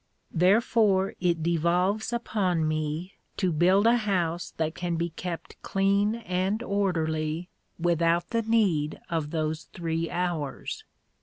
Therefore it devolves upon me to build a house that can be kept clean and orderly without the need of those three hours.